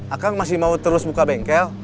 akang masih mau terus buka bengkel